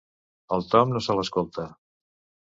El Tom no se l'escolta.